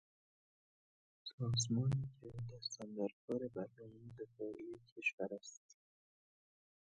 سازمانی که دست اندر کار برنامهی دفاعی کشور است